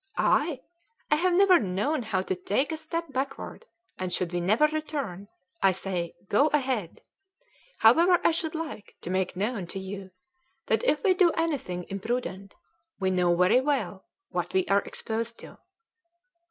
"I! I have never known how to take a step backward, and should we never return, I say 'Go ahead.' However, I should like to make known to you that if we do anything imprudent, we know very well what we are exposed to."